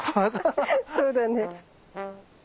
そうだね。